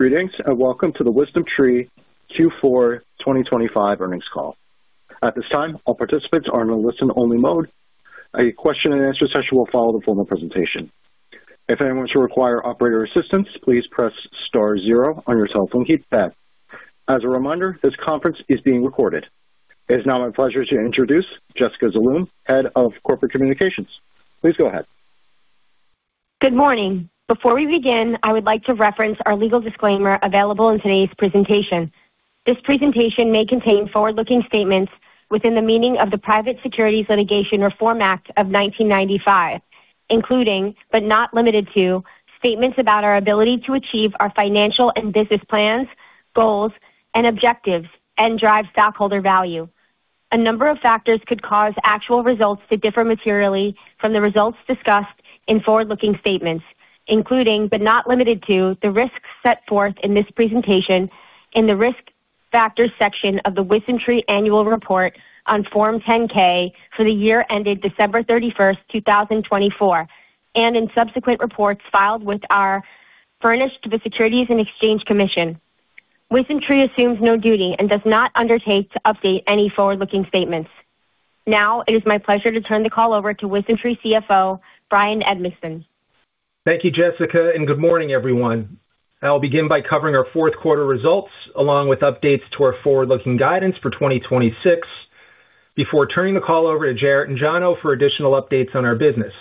Greetings, and welcome to the WisdomTree Q4 2025 earnings call. At this time, all participants are in a listen-only mode. A question and answer session will follow the formal presentation. If anyone should require operator assistance, please press star zero on your telephone keypad. As a reminder, this conference is being recorded. It is now my pleasure to introduce Jessica Zaloom, Head of Corporate Communications. Please go ahead. Good morning. Before we begin, I would like to reference our legal disclaimer available in today's presentation. This presentation may contain forward-looking statements within the meaning of the Private Securities Litigation Reform Act of 1995, including, but not limited to, statements about our ability to achieve our financial and business plans, goals, and objectives and drive stockholder value. A number of factors could cause actual results to differ materially from the results discussed in forward-looking statements, including, but not limited to, the risks set forth in this presentation in the Risk Factors section of the WisdomTree Annual Report on Form 10-K for the year ended December 31, 2024, and in subsequent reports filed or furnished with the Securities and Exchange Commission. WisdomTree assumes no duty and does not undertake to update any forward-looking statements. Now, it is my pleasure to turn the call over to WisdomTree CFO, Bryan Edmiston. Thank you, Jessica, and good morning, everyone. I'll begin by covering our fourth quarter results, along with updates to our forward-looking guidance for 2026, before turning the call over to Jarrett and Jano for additional updates on our business.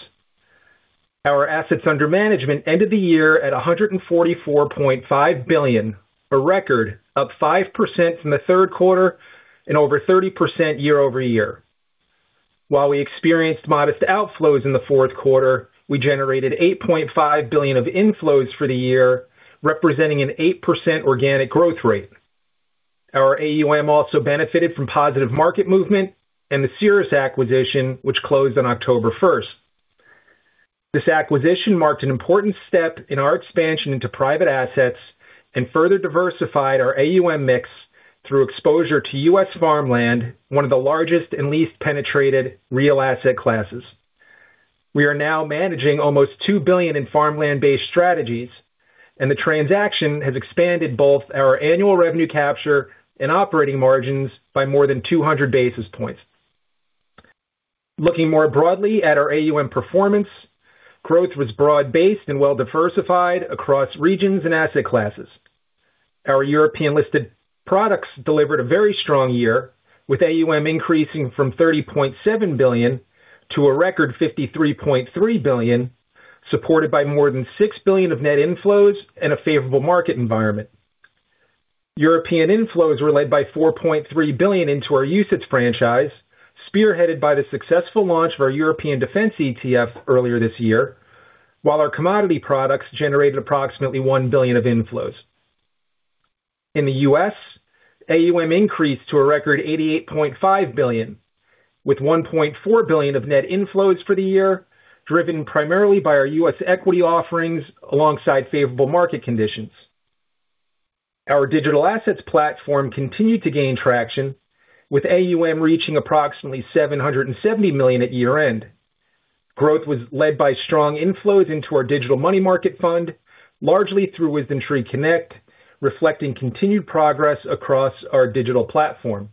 Our assets under management ended the year at $144.5 billion, a record, up 5% from the third quarter and over 30% year-over-year. While we experienced modest outflows in the fourth quarter, we generated $8.5 billion of inflows for the year, representing an 8% organic growth rate. Our AUM also benefited from positive market movement and the Ceres acquisition, which closed on October first. This acquisition marked an important step in our expansion into private assets and further diversified our AUM mix through exposure to U.S. farmland, one of the largest and least penetrated real asset classes. We are now managing almost $2 billion in farmland-based strategies, and the transaction has expanded both our annual revenue capture and operating margins by more than 200 basis points. Looking more broadly at our AUM performance, growth was broad-based and well-diversified across regions and asset classes. Our European-listed products delivered a very strong year, with AUM increasing from $30.7 billion to a record $53.3 billion, supported by more than $6 billion of net inflows and a favorable market environment. European inflows were led by $4.3 billion into our UCITS franchise, spearheaded by the successful launch of our European Defence ETF earlier this year, while our commodity products generated approximately $1 billion of inflows. In the U.S., AUM increased to a record $88.5 billion, with $1.4 billion of net inflows for the year, driven primarily by our U.S. equity offerings alongside favorable market conditions. Our digital assets platform continued to gain traction, with AUM reaching approximately $770 million at year-end. Growth was led by strong inflows into our digital money market fund, largely through WisdomTree Connect, reflecting continued progress across our digital platform.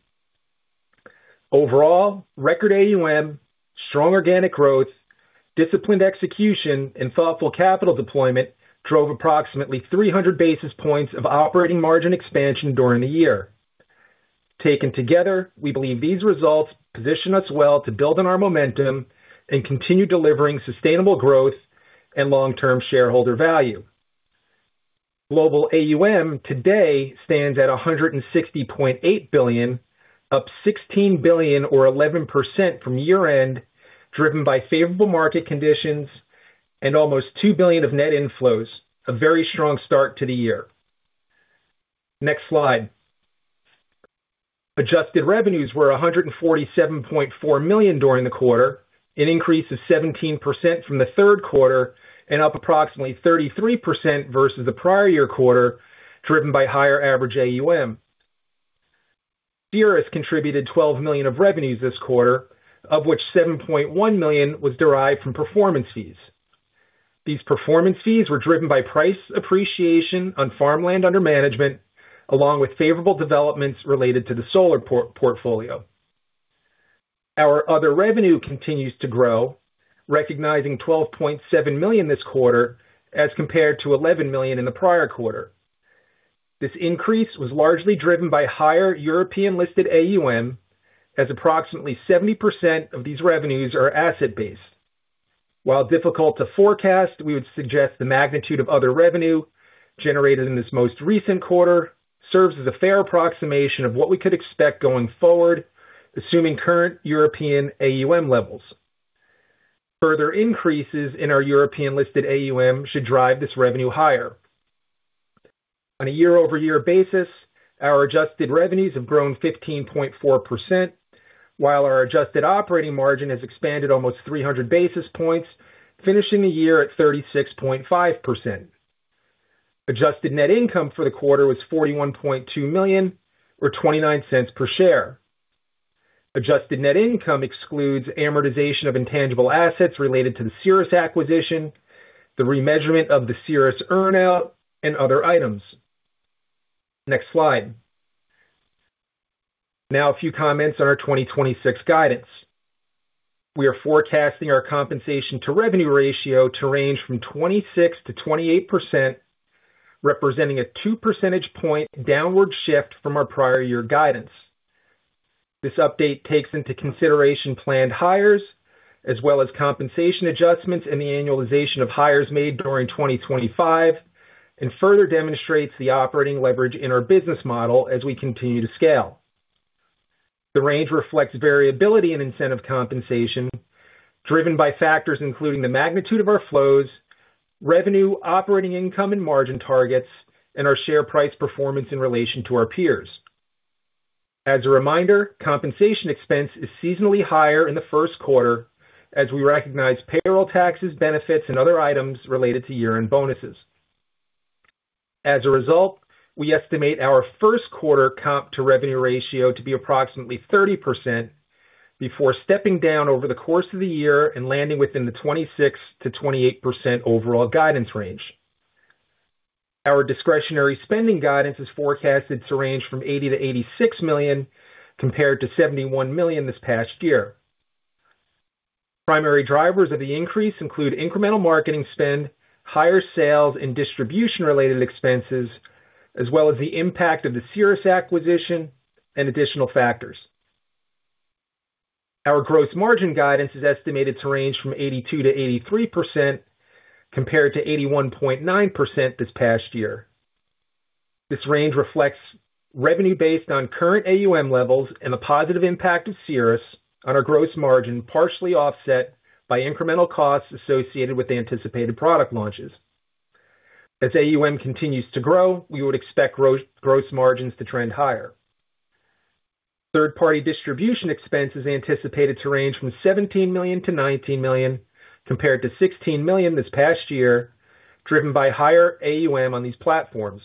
Overall, record AUM, strong organic growth, disciplined execution, and thoughtful capital deployment drove approximately 300 basis points of operating margin expansion during the year. Taken together, we believe these results position us well to build on our momentum and continue delivering sustainable growth and long-term shareholder value. Global AUM today stands at $160.8 billion, up $16 billion or 11% from year-end, driven by favorable market conditions and almost $2 billion of net inflows, a very strong start to the year. Next slide. Adjusted revenues were $147.4 million during the quarter, an increase of 17% from the third quarter and up approximately 33% versus the prior year quarter, driven by higher average AUM. Ceres contributed $12 million of revenues this quarter, of which $7.1 million was derived from performance fees. These performance fees were driven by price appreciation on farmland under management, along with favorable developments related to the solar portfolio. Our other revenue continues to grow, recognizing $12.7 million this quarter as compared to $11 million in the prior quarter. This increase was largely driven by higher European-listed AUM, as approximately 70% of these revenues are asset-based. While difficult to forecast, we would suggest the magnitude of other revenue generated in this most recent quarter serves as a fair approximation of what we could expect going forward, assuming current European AUM levels. Further increases in our European-listed AUM should drive this revenue higher. On a year-over-year basis, our adjusted revenues have grown 15.4%, while our adjusted operating margin has expanded almost 300 basis points, finishing the year at 36.5%. Adjusted net income for the quarter was $41.2 million, or $0.29 per share. Adjusted net income excludes amortization of intangible assets related to the Ceres acquisition, the remeasurement of the Ceres earn-out, and other items. Next slide. Now, a few comments on our 2026 guidance. We are forecasting our compensation to revenue ratio to range from 26%-28%, representing a two percentage point downward shift from our prior year guidance. This update takes into consideration planned hires, as well as compensation adjustments and the annualization of hires made during 2025, and further demonstrates the operating leverage in our business model as we continue to scale. The range reflects variability in incentive compensation, driven by factors including the magnitude of our flows, revenue, operating income and margin targets, and our share price performance in relation to our peers. As a reminder, compensation expense is seasonally higher in the first quarter as we recognize payroll taxes, benefits, and other items related to year-end bonuses. As a result, we estimate our first quarter comp to revenue ratio to be approximately 30% before stepping down over the course of the year and landing within the 26%-28% overall guidance range. Our discretionary spending guidance is forecasted to range from $80 million-$86 million, compared to $71 million this past year. Primary drivers of the increase include incremental marketing spend, higher sales and distribution-related expenses, as well as the impact of the Ceres acquisition and additional factors. Our gross margin guidance is estimated to range from 82%-83%, compared to 81.9% this past year. This range reflects revenue based on current AUM levels and the positive impact of Ceres on our gross margin, partially offset by incremental costs associated with the anticipated product launches. As AUM continues to grow, we would expect gross, gross margins to trend higher. Third-party distribution expense is anticipated to range from $17 million-$19 million, compared to $16 million this past year, driven by higher AUM on these platforms.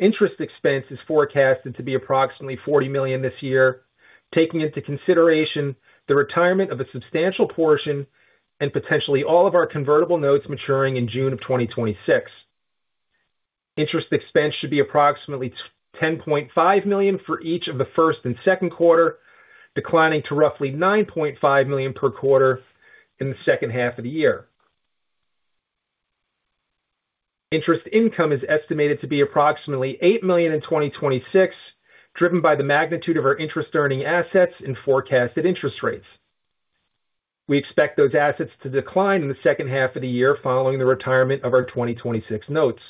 Interest expense is forecasted to be approximately $40 million this year, taking into consideration the retirement of a substantial portion and potentially all of our convertible notes maturing in June of 2026. Interest expense should be approximately ten point five million for each of the first and second quarter, declining to roughly nine point five million per quarter in the second half of the year. Interest income is estimated to be approximately $8 million in 2026, driven by the magnitude of our interest earning assets and forecasted interest rates. We expect those assets to decline in the second half of the year following the retirement of our 2026 notes.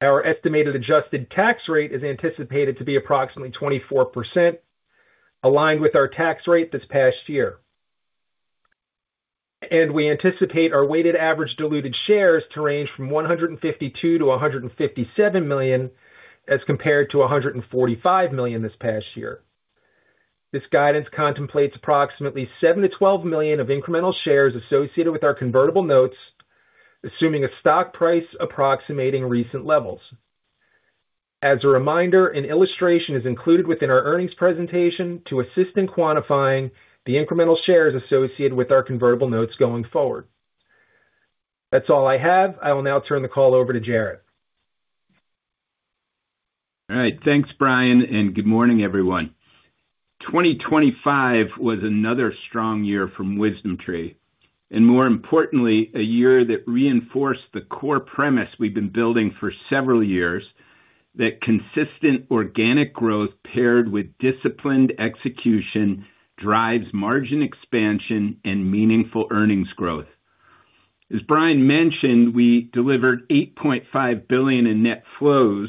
Our estimated adjusted tax rate is anticipated to be approximately 24%, aligned with our tax rate this past year. We anticipate our weighted average diluted shares to range from 152-157 million, as compared to 145 million this past year. This guidance contemplates approximately 7-12 million of incremental shares associated with our convertible notes, assuming a stock price approximating recent levels. As a reminder, an illustration is included within our earnings presentation to assist in quantifying the incremental shares associated with our convertible notes going forward. That's all I have. I will now turn the call over to Jarrett. All right, thanks, Bryan, and good morning, everyone. 2025 was another strong year from WisdomTree, and more importantly, a year that reinforced the core premise we've been building for several years, that consistent organic growth paired with disciplined execution drives margin expansion and meaningful earnings growth. As Bryan mentioned, we delivered $8.5 billion in net flows,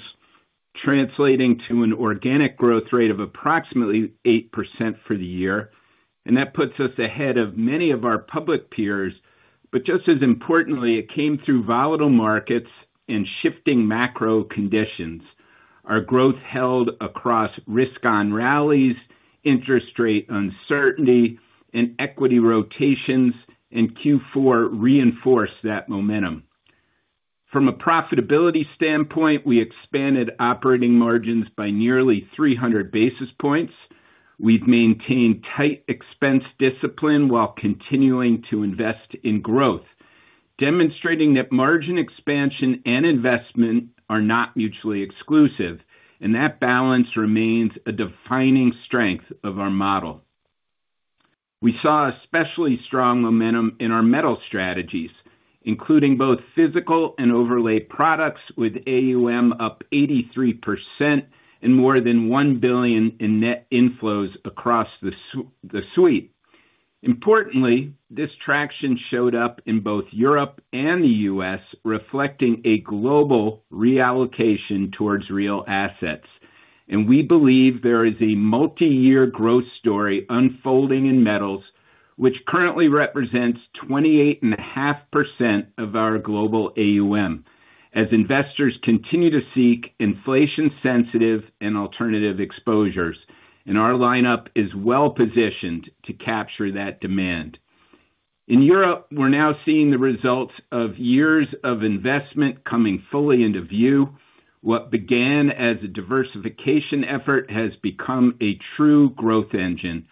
translating to an organic growth rate of approximately 8% for the year, and that puts us ahead of many of our public peers. But just as importantly, it came through volatile markets and shifting macro conditions. Our growth held across risk on rallies, interest rate uncertainty, and equity rotations, and Q4 reinforced that momentum. From a profitability standpoint, we expanded operating margins by nearly 300 basis points. We've maintained tight expense discipline while continuing to invest in growth, demonstrating that margin expansion and investment are not mutually exclusive, and that balance remains a defining strength of our model. We saw especially strong momentum in our metal strategies, including both physical and overlay products, with AUM up 83% and more than $1 billion in net inflows across the suite. Importantly, this traction showed up in both Europe and the U.S., reflecting a global reallocation towards real assets. We believe there is a multi-year growth story unfolding in metals, which currently represents 28.5% of our global AUM, as investors continue to seek inflation-sensitive and alternative exposures, and our lineup is well positioned to capture that demand.... In Europe, we're now seeing the results of years of investment coming fully into view. What began as a diversification effort has become a true growth engine.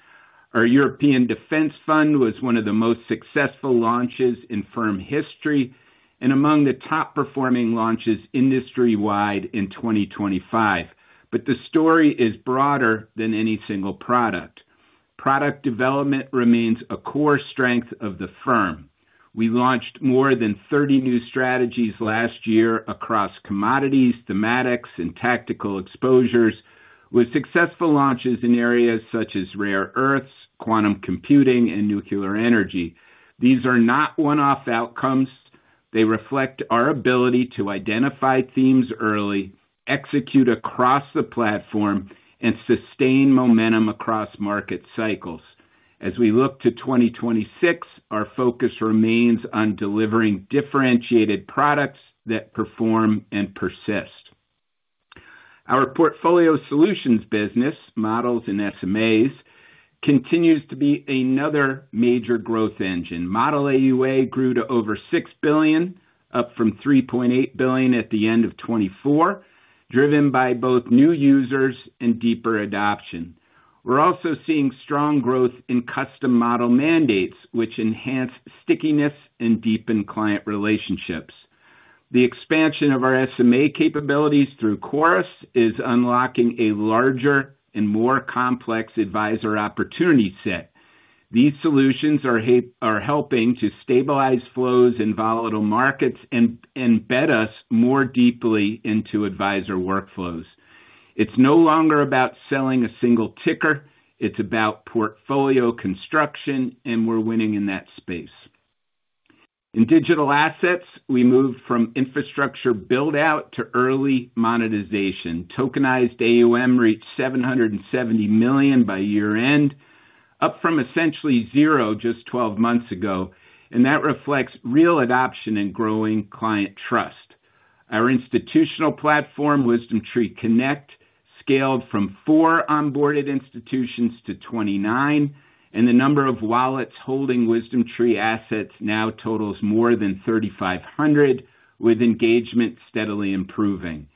Our European defense fund was one of the most successful launches in firm history, and among the top performing launches industry-wide in 2025. The story is broader than any single product. Product development remains a core strength of the firm. We launched more than 30 new strategies last year across commodities, thematics, and tactical exposures, with successful launches in areas such as rare earths, quantum computing, and nuclear energy. These are not one-off outcomes. They reflect our ability to identify themes early, execute across the platform, and sustain momentum across market cycles. As we look to 2026, our focus remains on delivering differentiated products that perform and persist. Our portfolio solutions business, models and SMAs, continues to be another major growth engine. Model AUA grew to over $6 billion, up from $3.8 billion at the end of 2024, driven by both new users and deeper adoption. We're also seeing strong growth in custom model mandates, which enhance stickiness and deepen client relationships. The expansion of our SMA capabilities through Quorus is unlocking a larger and more complex advisor opportunity set. These solutions are helping to stabilize flows in volatile markets and embed us more deeply into advisor workflows. It's no longer about selling a single ticker, it's about portfolio construction, and we're winning in that space. In digital assets, we moved from infrastructure build-out to early monetization. Tokenized AUM reached $770 million by year-end, up from essentially zero just 12 months ago, and that reflects real adoption and growing client trust. Our institutional platform, WisdomTree Connect, scaled from 4 onboarded institutions to 29, and the number of wallets holding WisdomTree assets now totals more than 3,500, with engagement steadily improving.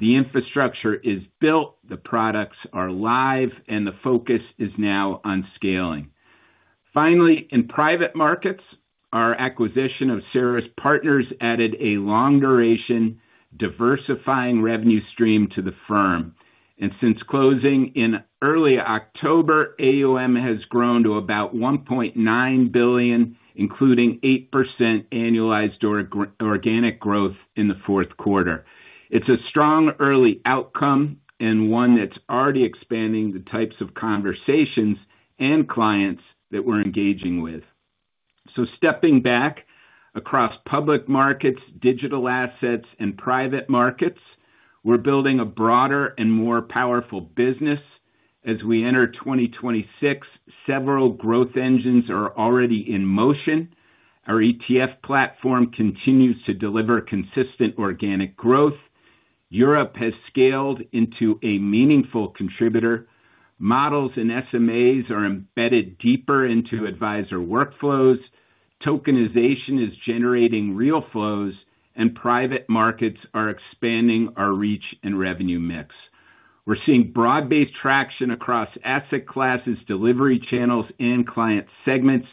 The infrastructure is built, the products are live, and the focus is now on scaling. Finally, in private markets, our acquisition of Ceres Partners added a long-duration, diversifying revenue stream to the firm. And since closing in early October, AUM has grown to about $1.9 billion, including 8% annualized organic growth in the fourth quarter. It's a strong early outcome and one that's already expanding the types of conversations and clients that we're engaging with. So stepping back, across public markets, digital assets, and private markets, we're building a broader and more powerful business. As we enter 2026, several growth engines are already in motion. Our ETF platform continues to deliver consistent organic growth. Europe has scaled into a meaningful contributor. Models and SMAs are embedded deeper into advisor workflows. Tokenization is generating real flows, and private markets are expanding our reach and revenue mix. We're seeing broad-based traction across asset classes, delivery channels, and client segments,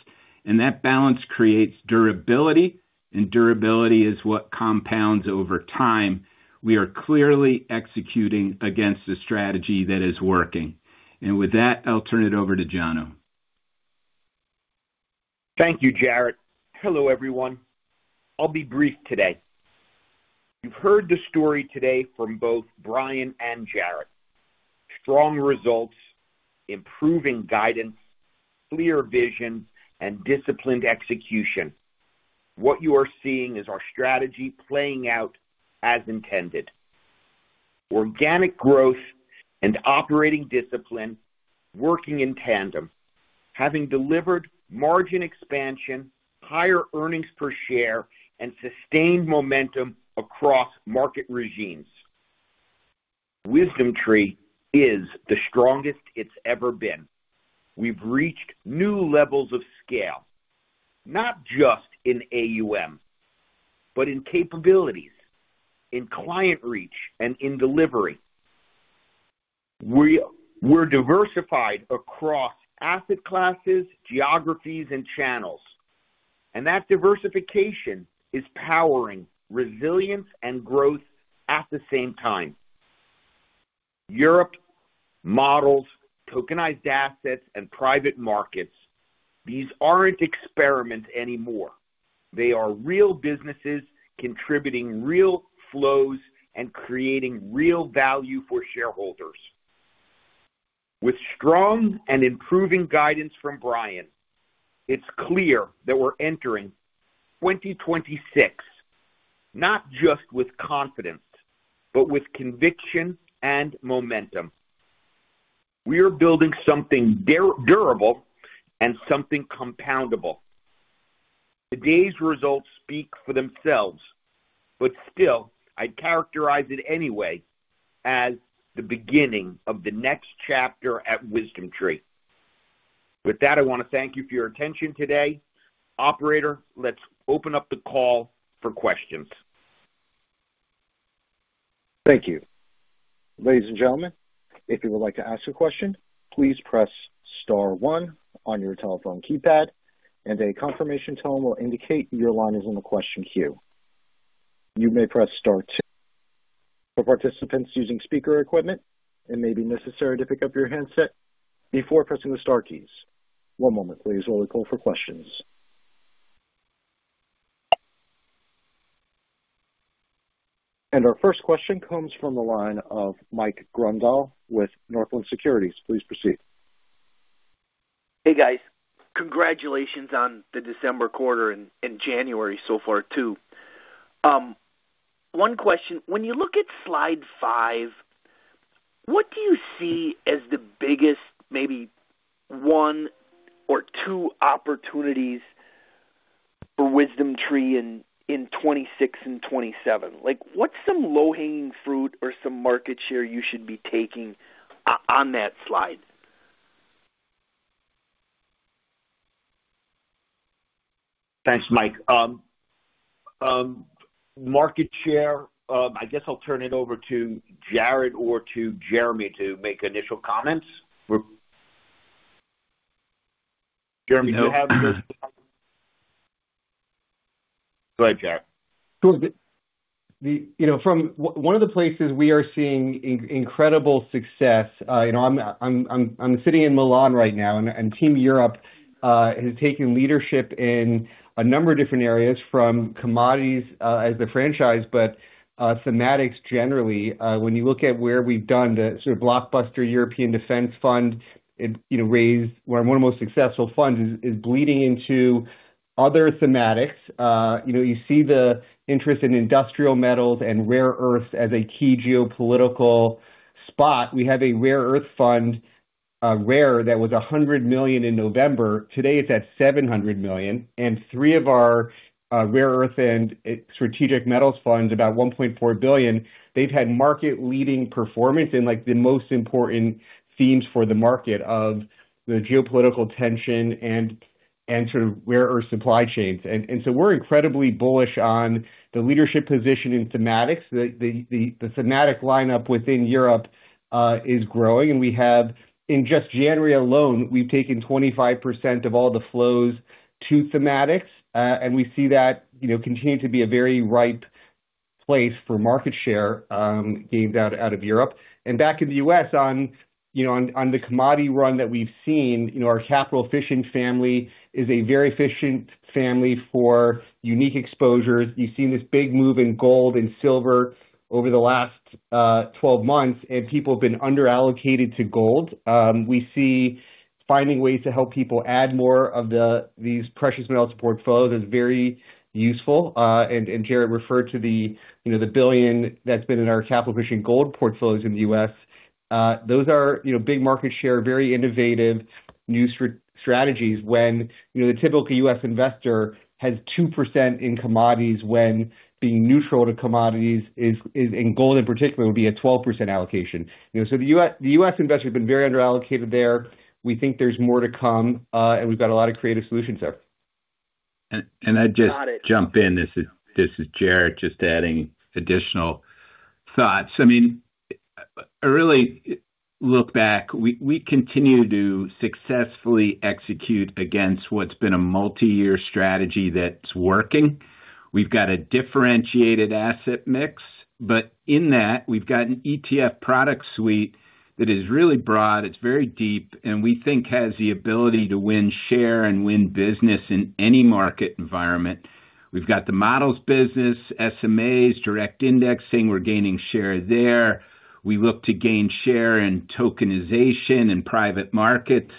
and that balance creates durability, and durability is what compounds over time. We are clearly executing against a strategy that is working. With that, I'll turn it over to Jano. Thank you, Jarrett. Hello, everyone. I'll be brief today. You've heard the story today from both Bryan and Jarrett. Strong results, improving guidance, clear vision, and disciplined execution. What you are seeing is our strategy playing out as intended. Organic growth and operating discipline working in tandem, having delivered margin expansion, higher earnings per share, and sustained momentum across market regimes. WisdomTree is the strongest it's ever been. We've reached new levels of scale, not just in AUM, but in capabilities, in client reach, and in delivery. We're diversified across asset classes, geographies, and channels, and that diversification is powering resilience and growth at the same time. Europe, models, tokenized assets, and private markets, these aren't experiments anymore. They are real businesses contributing real flows and creating real value for shareholders. With strong and improving guidance from Bryan, it's clear that we're entering 2026, not just with confidence, but with conviction and momentum. We are building something durable and something compoundable. Today's results speak for themselves... but still, I'd characterize it anyway as the beginning of the next chapter at WisdomTree. With that, I want to thank you for your attention today. Operator, let's open up the call for questions. Thank you. Ladies and gentlemen, if you would like to ask a question, please press star one on your telephone keypad, and a confirmation tone will indicate your line is in the question queue. You may press star two. For participants using speaker equipment, it may be necessary to pick up your handset before pressing the star keys. One moment, please, while we call for questions. Our first question comes from the line of Mike Grondahl with Northland Securities. Please proceed. Hey, guys. Congratulations on the December quarter and January so far, too. One question: When you look at slide five, what do you see as the biggest, maybe one or two opportunities for WisdomTree in 2026 and 2027? Like, what's some low-hanging fruit or some market share you should be taking on that slide? Thanks, Mike. Market share, I guess I'll turn it over to Jarrett or to Jeremy to make initial comments. Jeremy, do you have this? Go ahead, Jarrett. So the... You know, from one of the places we are seeing incredible success, you know, I'm sitting in Milan right now, and Team Europe has taken leadership in a number of different areas, from commodities as a franchise, but thematics generally. When you look at where we've done the sort of blockbuster European defense fund, it, you know, raised one of the most successful funds, is bleeding into other thematics. You know, you see the interest in industrial metals and rare earths as a key geopolitical spot. We have a rare earth fund, rare, that was $100 million in November. Today, it's at $700 million, and three of our rare earth and strategic metals funds, about $1.4 billion, they've had market-leading performance in, like, the most important themes for the market of the geopolitical tension and sort of rare earth supply chains. And so we're incredibly bullish on the leadership position in thematics. The thematic lineup within Europe is growing, and we have... In just January alone, we've taken 25% of all the flows to thematics, and we see that, you know, continuing to be a very ripe place for market share gained out of Europe. And back in the U.S., you know, on the commodity run that we've seen, you know, our Capital Efficient family is a very efficient family for unique exposures. You've seen this big move in gold and silver over the last 12 months, and people have been under-allocated to gold. We see finding ways to help people add more of the these precious metals portfolios is very useful. And Jarrett referred to the, you know, the $1 billion that's been in our Capital Efficient gold portfolios in the U.S. Those are, you know, big market share, very innovative, new strategies when, you know, the typical U.S. investor has 2% in commodities when being neutral to commodities is, and gold in particular, would be a 12% allocation. You know, so the U.S., the U.S. investor has been very under-allocated there. We think there's more to come, and we've got a lot of creative solutions there. A- and I'd just- Got it. Jump in. This is, this is Jarrett, just adding additional thoughts. I mean, I really look back. We, we continue to successfully execute against what's been a multiyear strategy that's working. We've got a differentiated asset mix, but in that, we've got an ETF product suite that is really broad, it's very deep, and we think has the ability to win, share, and win business in any market environment. We've got the models business, SMAs, direct indexing. We're gaining share there. We look to gain share in tokenization and private markets,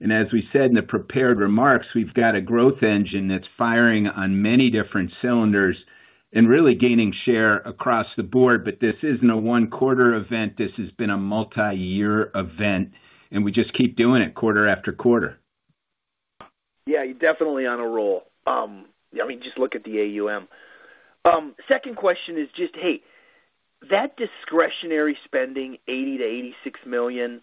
and as we said in the prepared remarks, we've got a growth engine that's firing on many different cylinders and really gaining share across the board. But this isn't a one-quarter event, this has been a multiyear event, and we just keep doing it quarter after quarter. Yeah, you're definitely on a roll. I mean, just look at the AUM. Second question is just, hey, that discretionary spending, $80 million-$86 million,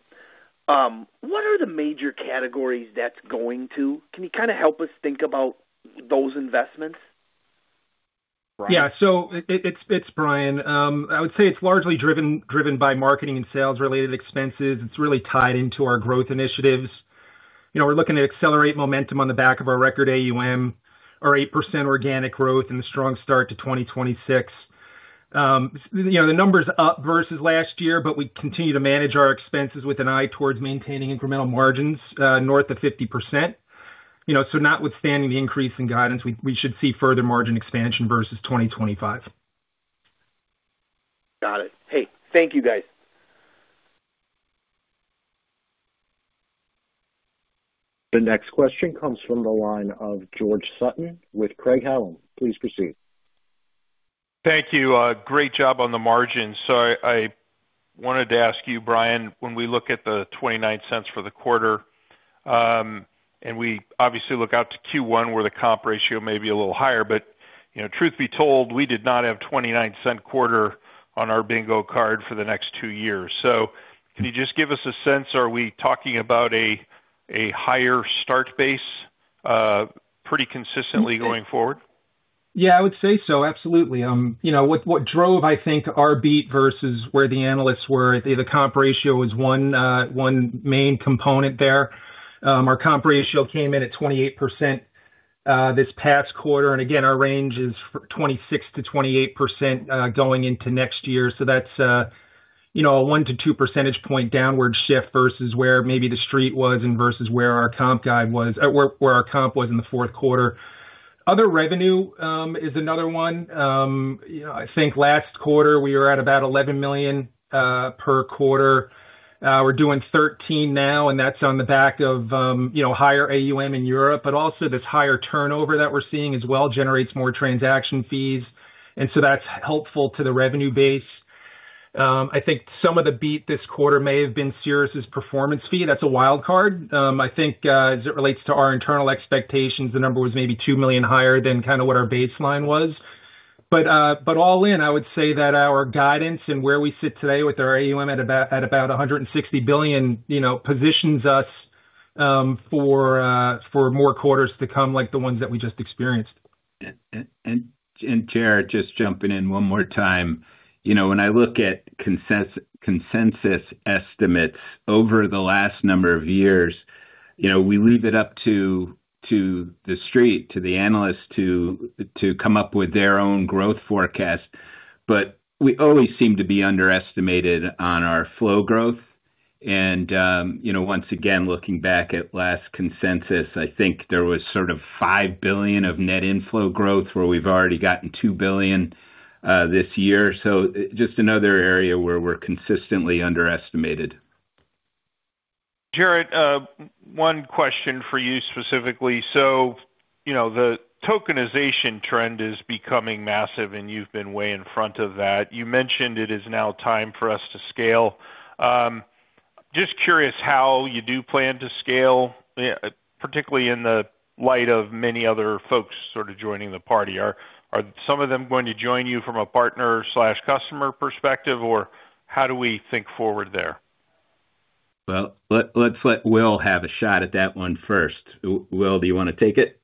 what are the major categories that's going to? Can you kind of help us think about those investments? Yeah. So it's Brian. I would say it's largely driven by marketing and sales-related expenses. It's really tied into our growth initiatives. You know, we're looking to accelerate momentum on the back of our record AUM, our 8% organic growth and the strong start to 2026. You know, the number's up versus last year, but we continue to manage our expenses with an eye towards maintaining incremental margins north of 50%. You know, so notwithstanding the increase in guidance, we should see further margin expansion versus 2025. Got it. Hey, thank you, guys. The next question comes from the line of George Sutton with Craig-Hallum. Please proceed. Thank you. Great job on the margins. So I-... Wanted to ask you, Bryan, when we look at the $0.29 for the quarter, and we obviously look out to Q1, where the comp ratio may be a little higher, but, you know, truth be told, we did not have $0.29 quarter on our bingo card for the next two years. So can you just give us a sense, are we talking about a higher start base, pretty consistently going forward? Yeah, I would say so. Absolutely. You know, what drove, I think, our beat versus where the analysts were, the comp ratio was one main component there. Our comp ratio came in at 28%, this past quarter, and again, our range is twenty-six to twenty-eight percent, going into next year. So that's, you know, a 1-2 percentage point downward shift versus where maybe the street was and versus where our comp guide was, where our comp was in the fourth quarter. Other revenue is another one. You know, I think last quarter, we were at about $11 million per quarter. We're doing 13 now, and that's on the back of, you know, higher AUM in Europe, but also this higher turnover that we're seeing as well generates more transaction fees, and so that's helpful to the revenue base. I think some of the beat this quarter may have been Ceres's performance fee. That's a wild card. I think, as it relates to our internal expectations, the number was maybe $2 million higher than kind of what our baseline was. But, but all in, I would say that our guidance and where we sit today with our AUM at about, at about $160 billion, you know, positions us for, for more quarters to come, like the ones that we just experienced. And Jarrett, just jumping in one more time. You know, when I look at consensus estimates over the last number of years, you know, we leave it up to the street, to the analysts to come up with their own growth forecast. But we always seem to be underestimated on our flow growth. And, you know, once again, looking back at last consensus, I think there was sort of $5 billion of net inflow growth, where we've already gotten $2 billion this year. So just another area where we're consistently underestimated. Jarrett, one question for you specifically. So, you know, the tokenization trend is becoming massive, and you've been way in front of that. You mentioned it is now time for us to scale. Just curious how you do plan to scale, particularly in the light of many other folks sort of joining the party. Are, are some of them going to join you from a partner/customer perspective, or how do we think forward there? Well, let's let Will have a shot at that one first. Will, do you wanna take it?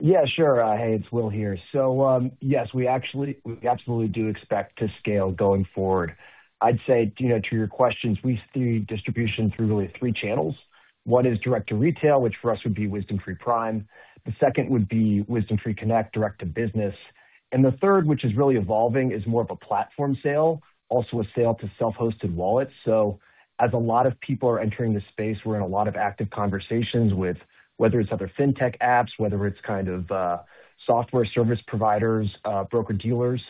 Yeah, sure. Hey, it's Will here. So, yes, we actually, we absolutely do expect to scale going forward. I'd say, you know, to your questions, we see distribution through really three channels. One is direct to retail, which for us would be WisdomTree Prime. The second would be WisdomTree Connect, direct to business. And the third, which is really evolving, is more of a platform sale, also a sale to self-hosted wallets. So as a lot of people are entering the space, we're in a lot of active conversations with whether it's other fintech apps, whether it's kind of, software service providers, broker-dealers,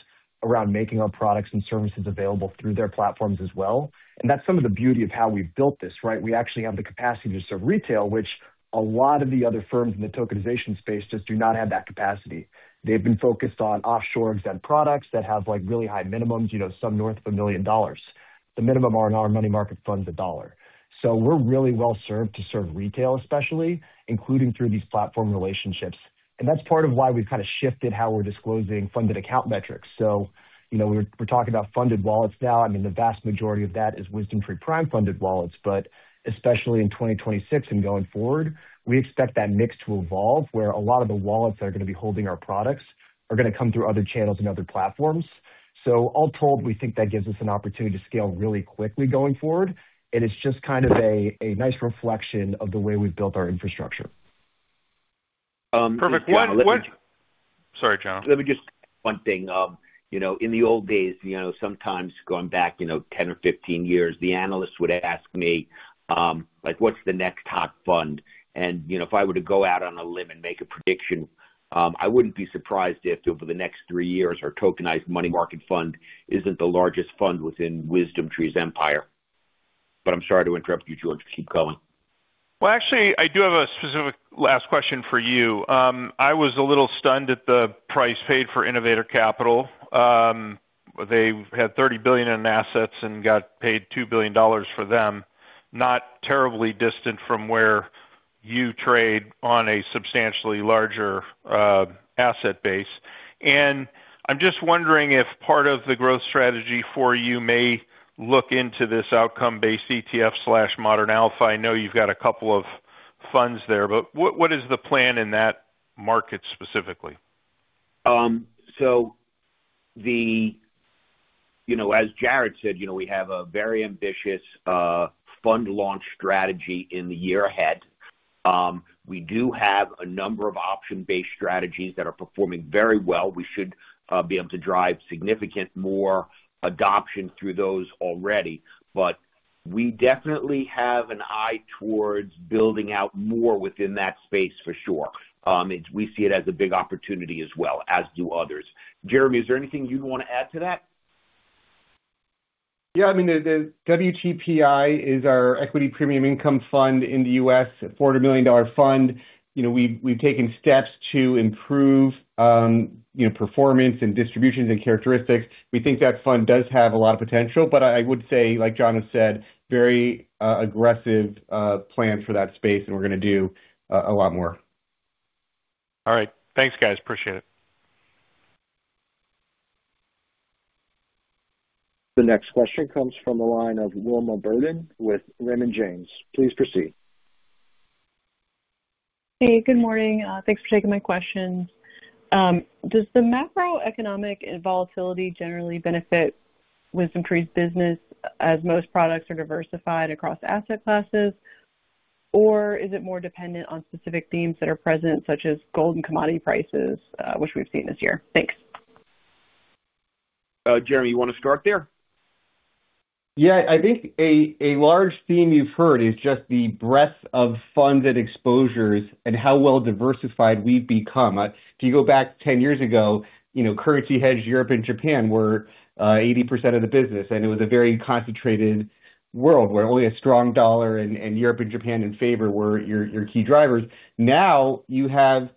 around making our products and services available through their platforms as well. And that's some of the beauty of how we've built this, right? We actually have the capacity to serve retail, which a lot of the other firms in the tokenization space just do not have that capacity. They've been focused on offshore exchange-traded products that have, like, really high minimums, you know, some north of $1 million. The minimum on our money market fund's $1. So we're really well served to serve retail, especially, including through these platform relationships. And that's part of why we've kind of shifted how we're disclosing funded account metrics. So, you know, we're, we're talking about funded wallets now. I mean, the vast majority of that is WisdomTree Prime-funded wallets, but especially in 2026 and going forward, we expect that mix to evolve, where a lot of the wallets that are gonna be holding our products are gonna come through other channels and other platforms. So all told, we think that gives us an opportunity to scale really quickly going forward, and it's just kind of a nice reflection of the way we've built our infrastructure. Perfect. Sorry, Jono. Let me just add one thing. You know, in the old days, you know, sometimes going back, you know, 10 or 15 years, the analysts would ask me, like, "What's the next hot fund?" And, you know, if I were to go out on a limb and make a prediction, I wouldn't be surprised if over the next three years, our tokenized money market fund isn't the largest fund within WisdomTree's empire. But I'm sorry to interrupt you, George. Keep going. Well, actually, I do have a specific last question for you. I was a little stunned at the price paid for Innovator Capital. They've had $30 billion in assets and got paid $2 billion for them, not terribly distant from where you trade on a substantially larger asset base. And I'm just wondering if part of the growth strategy for you may look into this outcome-based ETF/modern alpha. I know you've got a couple of funds there, but what, what is the plan in that market specifically? So, you know, as Jarrett said, you know, we have a very ambitious fund launch strategy in the year ahead. We do have a number of option-based strategies that are performing very well. We should be able to drive significant more adoption through those already. But we definitely have an eye towards building out more within that space for sure. It's, we see it as a big opportunity as well, as do others. Jeremy, is there anything you'd want to add to that? ... Yeah, I mean, the WTPI is our equity premium income fund in the U.S., a $40 million fund. You know, we've taken steps to improve, you know, performance and distributions and characteristics. We think that fund does have a lot of potential, but I would say, like John has said, very aggressive plan for that space, and we're gonna do a lot more. All right. Thanks, guys. Appreciate it. The next question comes from the line of Wilma Burdis with Raymond James. Please proceed. Hey, good morning. Thanks for taking my question. Does the macroeconomic volatility generally benefit WisdomTree's business as most products are diversified across asset classes? Or is it more dependent on specific themes that are present, such as gold and commodity prices, which we've seen this year? Thanks. Jeremy, you wanna start there? Yeah. I think a large theme you've heard is just the breadth of funds and exposures and how well diversified we've become. If you go back 10 years ago, you know, currency hedge, Europe and Japan were eighty percent of the business, and it was a very concentrated world, where only a strong dollar in Europe and Japan in favor were your key drivers. Now, you have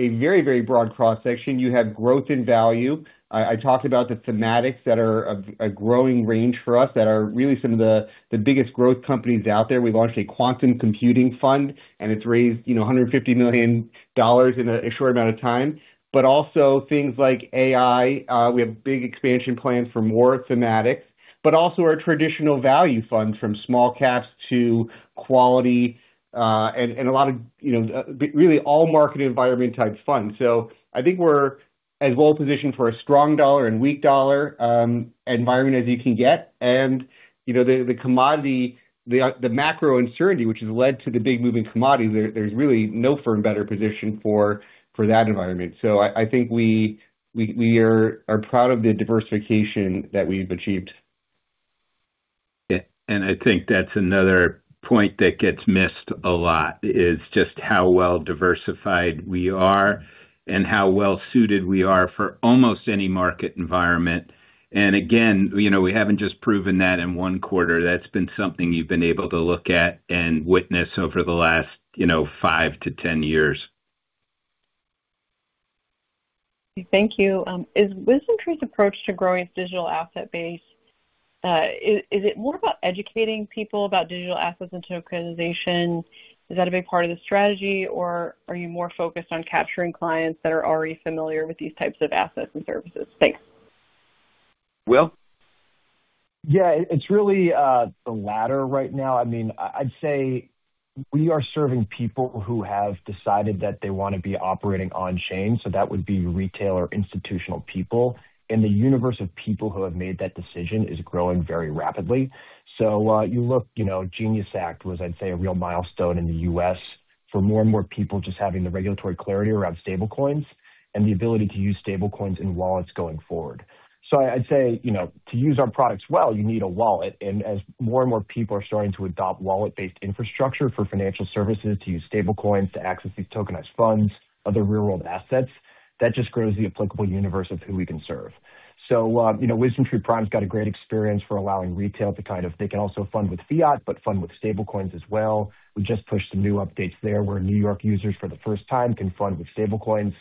a very, very broad cross-section. You have growth in value. I talked about the thematics that are a growing range for us, that are really some of the biggest growth companies out there. We've launched a quantum computing fund, and it's raised, you know, $150 million in a short amount of time. But also things like AI, we have big expansion plans for more thematics, but also our traditional value fund, from small caps to quality, and a lot of, you know, really all market environment type funds. So I think we're as well positioned for a strong dollar and weak dollar environment as you can get. And, you know, the commodity, the macro uncertainty, which has led to the big move in commodity, there's really no firm better positioned for that environment. So I think we are proud of the diversification that we've achieved. Yeah, and I think that's another point that gets missed a lot, is just how well diversified we are and how well suited we are for almost any market environment. And again, you know, we haven't just proven that in one quarter. That's been something you've been able to look at and witness over the last, you know, 5-10 years. Thank you. Is WisdomTree's approach to growing its digital asset base is it more about educating people about digital assets and tokenization? Is that a big part of the strategy, or are you more focused on capturing clients that are already familiar with these types of assets and services? Thanks. Will? Yeah, it's really the latter right now. I mean, I'd say we are serving people who have decided that they wanna be operating on chain, so that would be retail or institutional people, and the universe of people who have made that decision is growing very rapidly. So, you know, GENIUS Act was, I'd say, a real milestone in the U.S. for more and more people just having the regulatory clarity around stable coins and the ability to use stable coins in wallets going forward. So I'd say, you know, to use our products well, you need a wallet, and as more and more people are starting to adopt wallet-based infrastructure for financial services, to use stable coins to access these tokenized funds, other real-world assets, that just grows the applicable universe of who we can serve. So, you know, WisdomTree Prime's got a great experience for allowing retail to kind of... They can also fund with fiat, but fund with stablecoins as well. We just pushed some new updates there, where New York users, for the first time, can fund with stablecoins,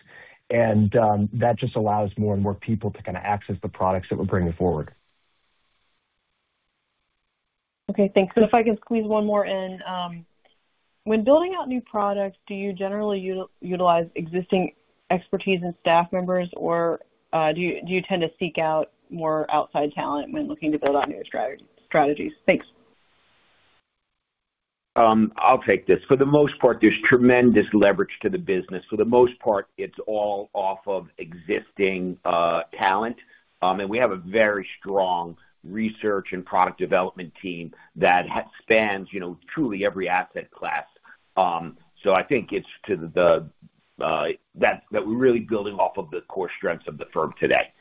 and that just allows more and more people to kinda access the products that we're bringing forward. Okay, thanks. So if I could squeeze one more in, when building out new products, do you generally utilize existing expertise and staff members, or, do you tend to seek out more outside talent when looking to build out new strategies? Thanks. I'll take this. For the most part, there's tremendous leverage to the business. For the most part, it's all off of existing talent, and we have a very strong research and product development team that spans, you know, truly every asset class. So I think it's to the that we're really building off of the core strengths of the firm today.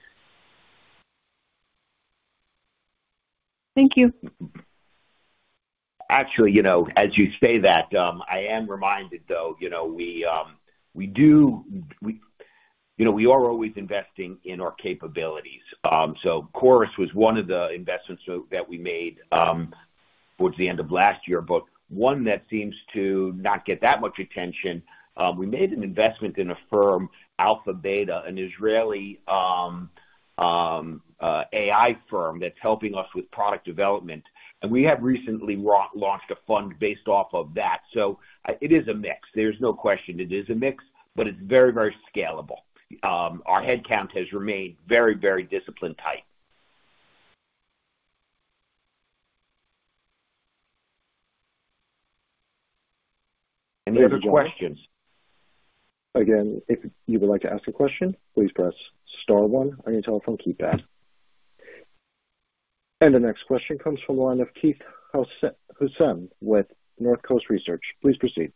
Thank you. Actually, you know, as you say that, I am reminded, though, you know, we, we do. We, you know, we are always investing in our capabilities. So Quorus was one of the investments that we made, towards the end of last year, but one that seems to not get that much attention. We made an investment in a firm, AlphaBeta, an Israeli AI firm that's helping us with product development, and we have recently launched a fund based off of that. So, it is a mix. There's no question it is a mix, but it's very, very scalable. Our headcount has remained very, very disciplined, tight. Any other questions? Again, if you would like to ask a question, please press star one on your telephone keypad. The next question comes from the line of Keith Housum with Northcoast Research. Please proceed.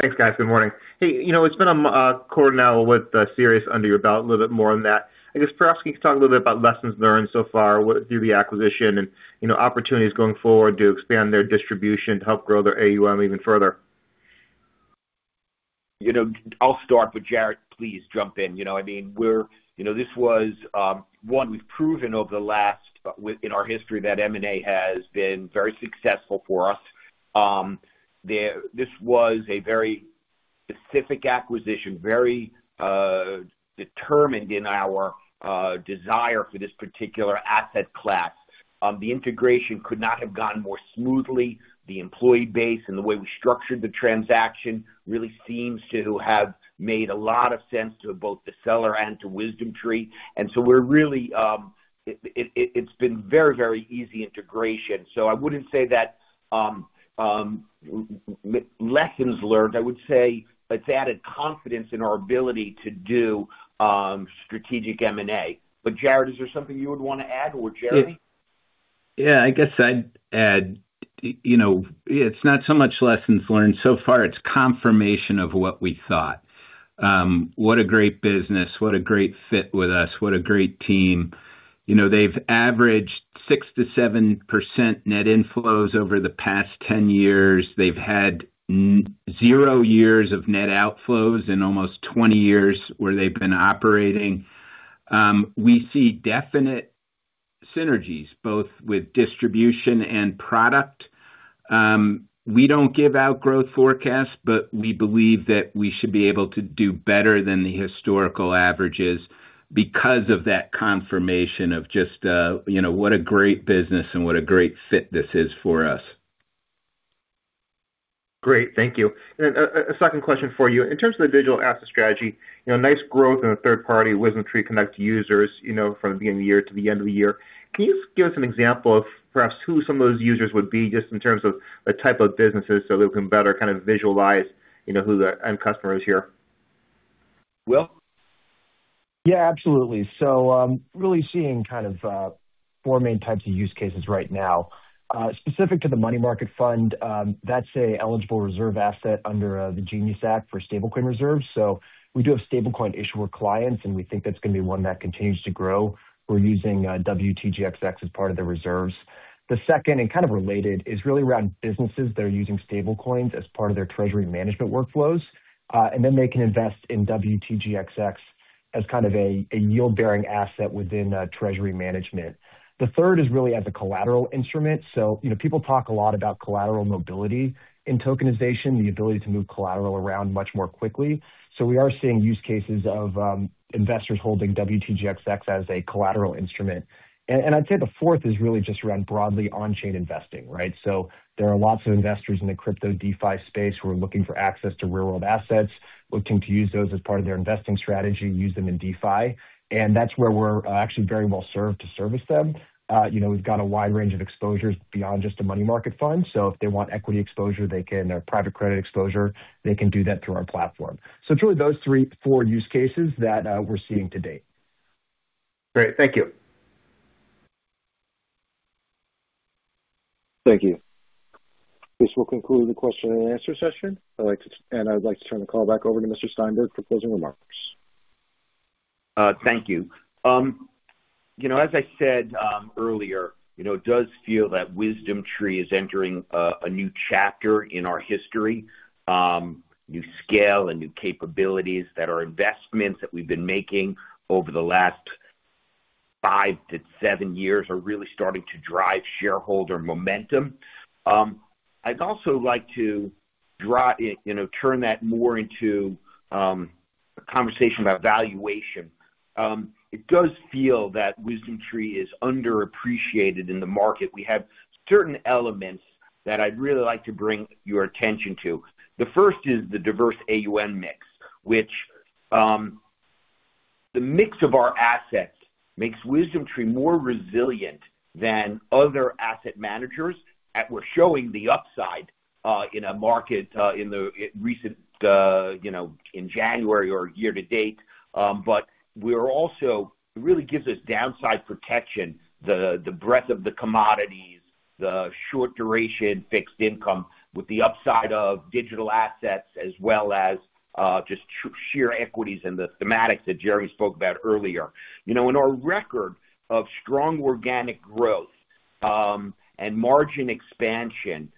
Thanks, guys. Good morning. Hey, you know, it's been a quarter now with Ceres under your belt, a little bit more on that. I guess perhaps you could talk a little bit about lessons learned so far, through the acquisition and, you know, opportunities going forward to expand their distribution to help grow their AUM even further? ... You know, I'll start, but Jared, please jump in. You know, I mean, we're you know, this was one, we've proven over the last, with, in our history, that M&A has been very successful for us. This was a very specific acquisition, very determined in our desire for this particular asset class. The integration could not have gone more smoothly. The employee base and the way we structured the transaction really seems to have made a lot of sense to both the seller and to WisdomTree. And so we're really, it's been very, very easy integration. So I wouldn't say that lessons learned. I would say, it's added confidence in our ability to do strategic M&A. But Jared, is there something you would want to add, or Jerry? Yeah, I guess I'd add, you know, it's not so much lessons learned so far, it's confirmation of what we thought. What a great business, what a great fit with us, what a great team. You know, they've averaged 6%-7% net inflows over the past 10 years. They've had zero years of net outflows in almost 20 years where they've been operating. We see definite synergies, both with distribution and product. We don't give out growth forecasts, but we believe that we should be able to do better than the historical averages because of that confirmation of just, you know, what a great business and what a great fit this is for us. Great. Thank you. And, a second question for you. In terms of the digital asset strategy, you know, nice growth in the third party, WisdomTree Connect users, you know, from the beginning of the year to the end of the year. Can you just give us an example of perhaps who some of those users would be just in terms of the type of businesses, so we can better kind of visualize, you know, who the end customer is here? Will? Yeah, absolutely. So, really seeing kind of four main types of use cases right now. Specific to the money market fund, that's an eligible reserve asset under the GENIUS Act for stablecoin reserves. So we do have stablecoin issuer clients, and we think that's going to be one that continues to grow. We're using WTGXX as part of the reserves. The second, and kind of related, is really around businesses that are using stablecoins as part of their treasury management workflows, and then they can invest in WTGXX as kind of a yield-bearing asset within treasury management. The third is really as a collateral instrument. So, you know, people talk a lot about collateral mobility in tokenization, the ability to move collateral around much more quickly. So we are seeing use cases of investors holding WTGXX as a collateral instrument. And I'd say the fourth is really just around broadly on-chain investing, right? So there are lots of investors in the crypto DeFi space who are looking for access to real-world assets, looking to use those as part of their investing strategy, use them in DeFi, and that's where we're actually very well served to service them. You know, we've got a wide range of exposures beyond just a money market fund, so if they want equity exposure, they can, or private credit exposure, they can do that through our platform. So it's really those three, four use cases that we're seeing to date. Great. Thank you. Thank you. This will conclude the question and answer session. I'd like to turn the call back over to Mr. Steinberg for closing remarks. Thank you. You know, as I said earlier, you know, it does feel that WisdomTree is entering a new chapter in our history. New scale and new capabilities that are investments that we've been making over the last five to seven years are really starting to drive shareholder momentum. I'd also like to draw, you know, turn that more into a conversation about valuation. It does feel that WisdomTree is underappreciated in the market. We have certain elements that I'd really like to bring your attention to. The first is the diverse AUM mix, which the mix of our assets makes WisdomTree more resilient than other asset managers, and we're showing the upside in a market in the recent, you know, in January or year to date. But we're also... It really gives us downside protection, the breadth of the commodities, the short duration fixed income with the upside of digital assets, as well as just sheer equities and the thematics that Jarrett spoke about earlier. You know, and our record of strong organic growth, and margin expansion,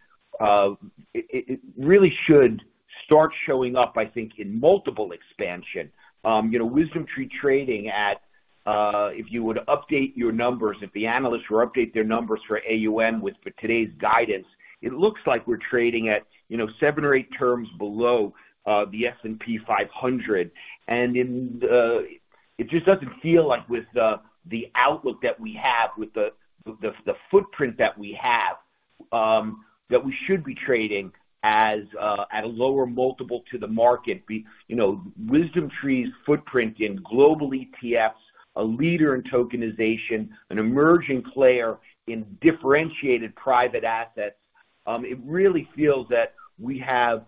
it really should start showing up, I think, in multiple expansion. You know, WisdomTree trading at, if you were to update your numbers, if the analysts were to update their numbers for AUM with today's guidance, it looks like we're trading at, you know, 7 or 8x below the S&P 500. And in the... It just doesn't feel like with the outlook that we have, with the footprint that we have, that we should be trading as at a lower multiple to the market. You know, WisdomTree's footprint in global ETFs, a leader in tokenization, an emerging player in differentiated private assets, it really feels that we have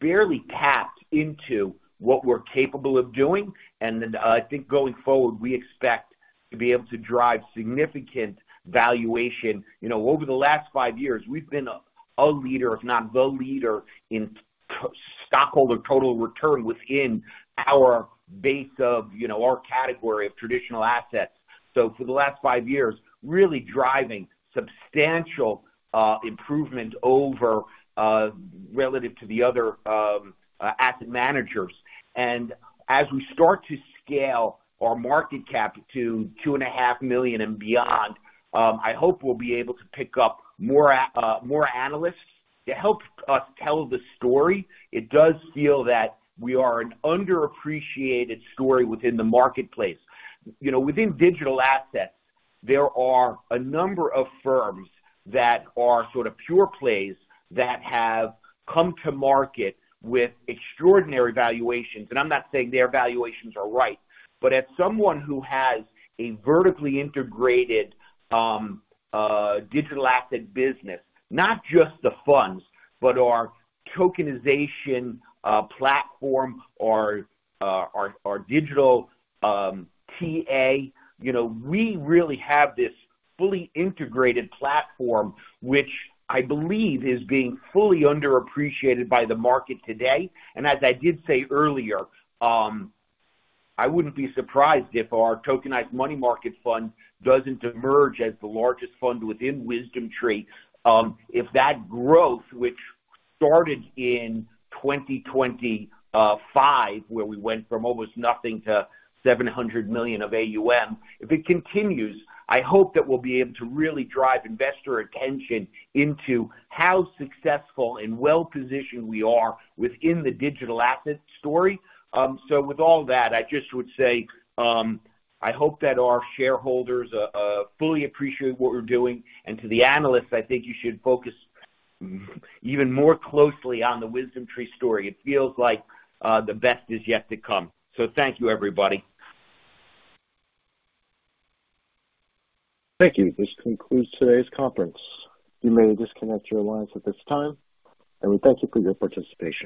barely tapped into what we're capable of doing. And then I think going forward, we expect to be able to drive significant valuation. You know, over the last five years, we've been a leader, if not the leader, in stockholder total return within our base of, you know, our category of traditional assets. So for the last five years, really driving substantial improvement over relative to the other asset managers. And as we start to scale our market cap to $2.5 million and beyond, I hope we'll be able to pick up more analysts. It helps us tell the story. It does feel that we are an underappreciated story within the marketplace. You know, within digital assets, there are a number of firms that are sort of pure plays that have come to market with extraordinary valuations, and I'm not saying their valuations are right. But as someone who has a vertically integrated, digital asset business, not just the funds, but our tokenization platform, our digital TA, you know, we really have this fully integrated platform, which I believe is being fully underappreciated by the market today. And as I did say earlier, I wouldn't be surprised if our tokenized money market fund doesn't emerge as the largest fund within WisdomTree. If that growth, which started in 2025, where we went from almost nothing to $700 million of AUM, if it continues, I hope that we'll be able to really drive investor attention into how successful and well-positioned we are within the digital asset story. So with all that, I just would say, I hope that our shareholders fully appreciate what we're doing, and to the analysts, I think you should focus even more closely on the WisdomTree story. It feels like the best is yet to come. So thank you, everybody. Thank you. This concludes today's conference. You may disconnect your lines at this time, and we thank you for your participation.